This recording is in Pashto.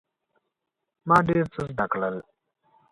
ما ډیر څه زده کړل.